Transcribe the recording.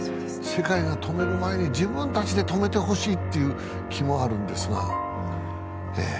世界が止める前に自分たちで止めてほしいっていう気もあるんですがええ